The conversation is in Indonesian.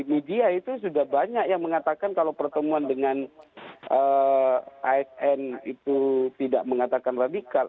media itu sudah banyak yang mengatakan kalau pertemuan dengan asn itu tidak mengatakan radikal